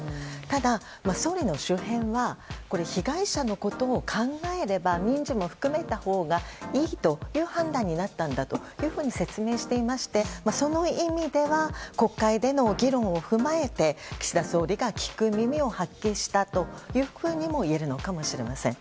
ただ、総理の周辺は被害者のことを考えれば民事も含めたほうがいいという判断になったと説明していましてその意味では国会での議論を踏まえて岸田総理が聞く耳を発揮したというふうにも言えるかもしれません。